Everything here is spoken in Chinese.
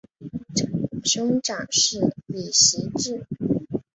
兄长是李袭志。